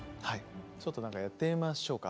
ちょっと何かやってみましょうか。